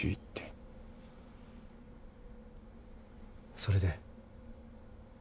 それで？